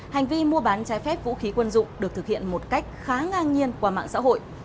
hành vi mua bán trái phép vũ khí quân dụng được thực hiện một cách khá ngang nhiên qua mạng xã hội